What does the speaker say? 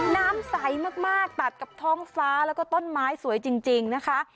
น้ำใสมากตัดกับท้องฟ้าแล้วก็ต้นไม้สวยจริงนะคะ